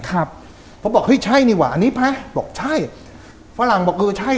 เขาบอกเฮ้ยใช่นี่หว่าอันนี้พระบอกใช่ฝรั่งบอกเออใช่